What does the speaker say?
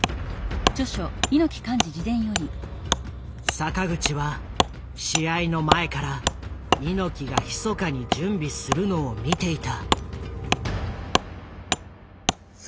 坂口は試合の前から猪木がひそかに準備するのを見ていた。